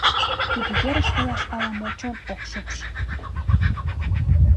— Тудо ерыш каяш ала-мо чон ок шупш.